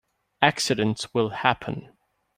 Accidents will happen.